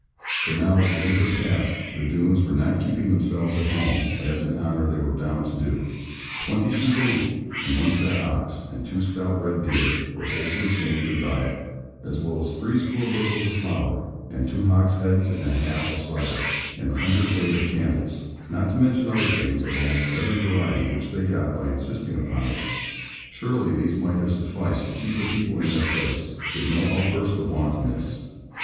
For now as the winter passed, the Doones were not keeping themselves at home, as in honour they were bound to do. Twenty sheep a week, and one fat ox, and two stout red deer (for wholesome change of diet), as well as threescore bushels of flour, and two hogsheads and a half of cider, and a hundredweight of candles, not to mention other things of almost every variety which they got by insisting upon it surely these might have sufficed to keep the people in their place, with no outburst of wantonness.